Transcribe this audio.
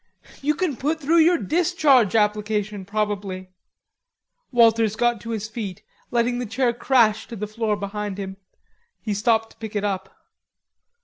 You can put through your discharge application probably...." Walters got to his feet, letting the chair crash to the floor behind him. He stopped to pick it up.